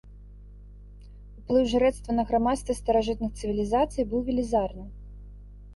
Уплыў жрэцтва на грамадства старажытных цывілізацый быў велізарны.